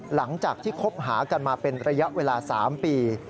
หลังจากที่คบหากันมาเป็นระยะเวลา๓ปี